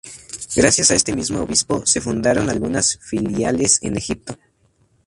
Gracias a este mismo obispo se fundaron algunas filiales en Egipto.